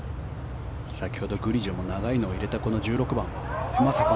先ほどグリジョも長いのを入れたこの１６番。